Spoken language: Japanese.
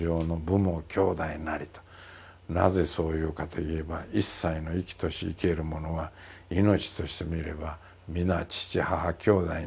なぜそう言うかといえば一切の生きとし生けるものは命としてみれば皆父母兄弟に等しいではないかと。